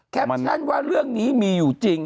แคปชั่นว่าเรื่องนี้มีอยู่จริง